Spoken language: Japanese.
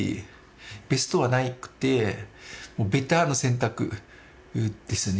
ベストはなくてもうベターな選択ですね。